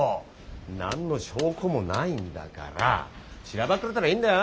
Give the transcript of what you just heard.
何の証拠もないんだからしらばっくれてりゃいいんだよ。